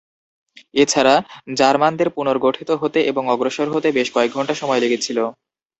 এছাড়া, জার্মানদের পুনর্গঠিত হতে এবং অগ্রসর হতে বেশ কয়েক ঘন্টা সময় লেগেছিল।